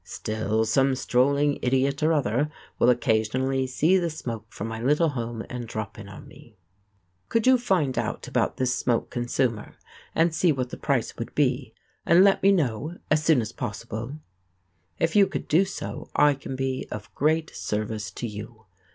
Still some strolling idiot or other will occasionally see the smoke from my little home and drop in on me. Could you find out about this smoke consumer and see what the price would be and let me known as soon as possible? If you could do so I can be of great service to you.